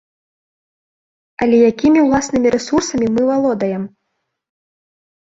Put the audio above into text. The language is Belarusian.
Але якімі ўласнымі рэсурсамі мы валодаем?